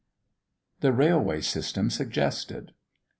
THE RAILWAY SYSTEM SUGGESTED.